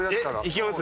いきます？